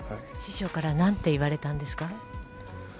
師匠から何て言われたんですか？